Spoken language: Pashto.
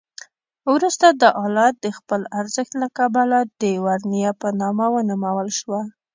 وروسته دا آله د خپل ارزښت له کبله د ورنیه په نامه ونومول شوه.